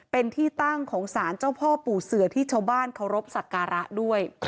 เป็นที่ตั้งของสารเจ้าพ่อปู่เสือที่ชาวบ้านเคารพสักการะด้วย